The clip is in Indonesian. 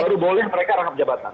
baru boleh mereka rangkap jabatan